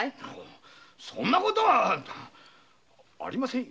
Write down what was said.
そんな事はありませんよ。